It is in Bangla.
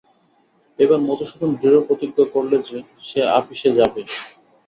এইবার মধুসূদন দৃঢ় প্রতিজ্ঞা করলে যে, সে আপিসে যাবেই।